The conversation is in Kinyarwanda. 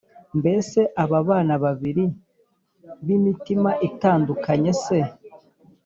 mbese aba bana babiri b’imitima itandukanye se